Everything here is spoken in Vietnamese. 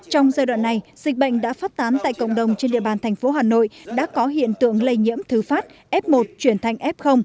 trong giai đoạn này dịch bệnh đã phát tán tại cộng đồng trên địa bàn thành phố hà nội đã có hiện tượng lây nhiễm thứ phát f một chuyển thành f